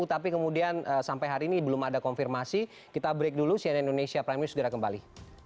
tapi kemudian sampai hari ini belum ada konfirmasi kita break dulu cnn indonesia prime news segera kembali